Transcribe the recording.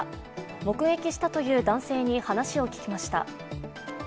目撃したという男性に話を聞きました。